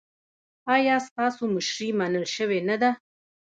ایا ستاسو مشري منل شوې نه ده؟